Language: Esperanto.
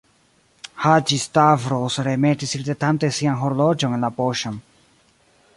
Haĝi-Stavros remetis ridetante sian horloĝon en la poŝon.